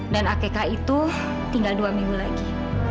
dan akek kak itu tinggal dua minggu lagi